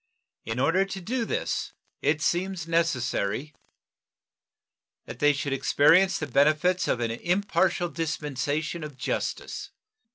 In order to this it seems necessary That they should experience the benefits of an impartial dispensation of justice.